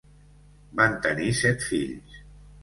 Van tenir set fills.